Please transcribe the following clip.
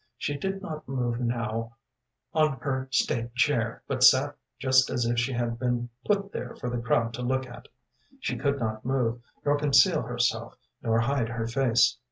“She did not move now on her state chair, but sat just as if she had been put there for the crowd to look at. She could not move, nor conceal herself, nor hide her face.